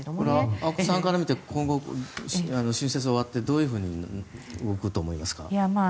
阿古さんから見て今後、春節が終わってどういうふうに動くと思いますか？